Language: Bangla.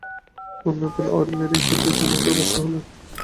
তু-ন্যাপোলেঅঁর মেরে কেটে জুলুম করে বাদশা হলেন।